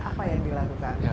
apa yang dilakukan